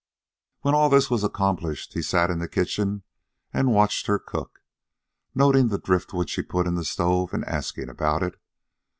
When all this was accomplished, he sat in the kitchen and watched her cook, noting the driftwood she put in the stove and asking about it.